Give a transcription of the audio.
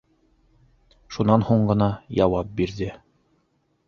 Шунан һуң ғына яуап бирҙе.